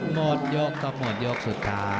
หมดยกก็หมดยกสุดท้าย